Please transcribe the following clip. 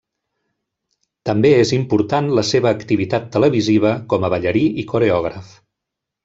També és important la seva activitat televisiva com a ballarí i coreògraf.